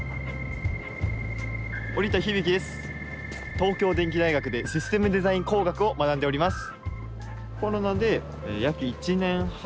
東京電機大学でシステムデザイン工学を学んでおります。